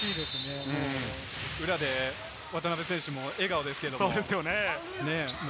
裏で渡邊選手も笑顔ですけれどもね。